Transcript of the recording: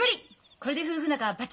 これで夫婦仲はばっちり！